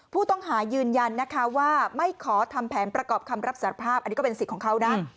ผู้ต้องหายืนยันนะคะว่าไม่ขอทำแผนประกอบคำรับสารภาพอันนี้ก็เป็นสิทธิ์ของเขานะ